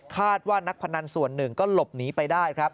ว่านักพนันส่วนหนึ่งก็หลบหนีไปได้ครับ